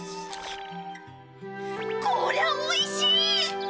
こりゃおいしい！